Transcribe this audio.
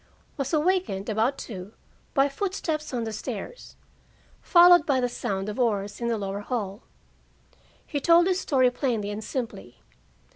Was awakened about two by footsteps on the stairs, followed by the sound of oars in the lower hall. He told his story plainly and simply.